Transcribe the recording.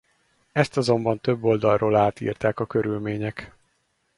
Ezt azonban több oldalról átírták a körülmények.